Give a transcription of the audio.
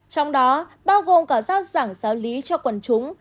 trong đó bao gồm cả giao giảng giáo lý cho quần chúng